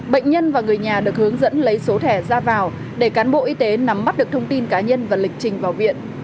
bệnh nhân và người nhà được hướng dẫn lấy số thẻ ra vào để cán bộ y tế nắm bắt được thông tin cá nhân và lịch trình vào viện